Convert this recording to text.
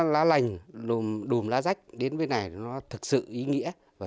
lá lành đùm lá rách đến bên này nó thực sự ý nghĩa